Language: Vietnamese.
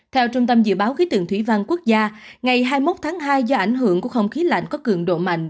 theo trung tâm dự báo khí tượng thủy văn quốc gia ngày hai mươi một tháng hai do ảnh hưởng của không khí lạnh có cường độ mạnh